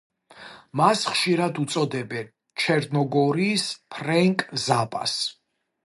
მას ხშირად უწოდებენ ჩერნოგორიის ფრენკ ზაპას.